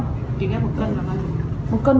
một cân là hơn một tỷ